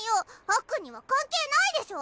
あっくんには関係ないでしょ。